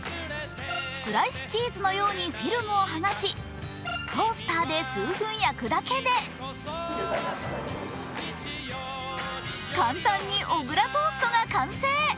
スライスチーズのようにフイルムをはがしトースターで数分焼くだけで、簡単に小倉トーストが完成。